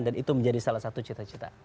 dan itu menjadi salah satu cita cita